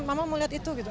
mama mau lihat itu gitu